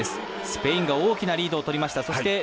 スペインが大きなリードをとりました。